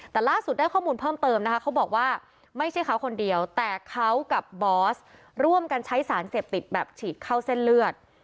แต่ล่าสุดได้ข้อมูลเพิ่มเติมนะคะเขาบอกว่าไม่ใช่เขาคนเดียวแต่เขากับบอสร่วมกันใช้สารเสพติดแบบฉีดเข้าเส้นเลือด